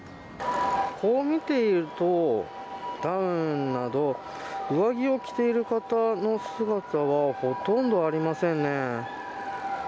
こう見ているとダウンなど上着を着ている方の姿はほとんどありませんね。